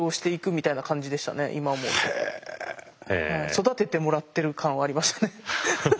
育ててもらってる感はありましたね。